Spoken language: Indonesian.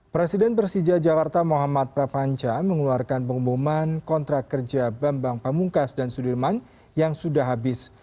presiden persija jakarta muhammad prapanca mengeluarkan pengumuman kontrak kerja bambang pamungkas dan sudirman yang sudah habis